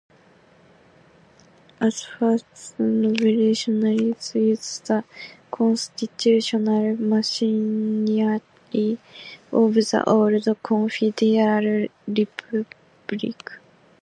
At first, the revolutionaries used the constitutional machinery of the old confederal republic.